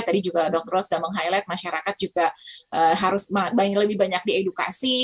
tadi juga dokter sudah meng highlight masyarakat juga harus lebih banyak diedukasi